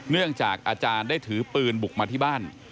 เนื่องจากอาจารย์ได้ถือปืนบุกมาที่บ้าน